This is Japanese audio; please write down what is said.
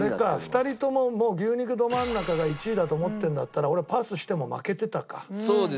２人とももう牛肉どまん中が１位だと思ってるんだったら俺パスしても負けてたか。